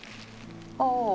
ああ。